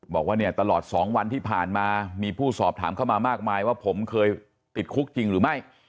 บอกว่าเนี่ยตลอด๒วันที่ผ่านมามีผู้สอบถามเข้ามามากมายว่าผมเคยติดคุกจริงหรือไม่